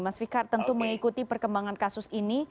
mas fikar tentu mengikuti perkembangan kasus ini